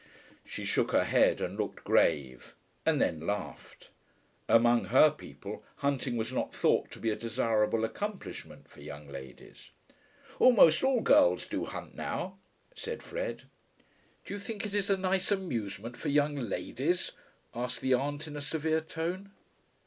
She shook her head and looked grave, and then laughed. Among her people hunting was not thought to be a desirable accomplishment for young ladies. "Almost all girls do hunt now," said Fred. "Do you think it is a nice amusement for young ladies?" asked the aunt in a severe tone.